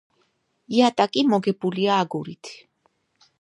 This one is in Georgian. იატაკი მოგებულია აგურით.